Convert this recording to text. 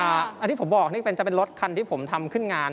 ที่ผมบอกนี่จะเป็นรถคันที่ผมทำขึ้นงาน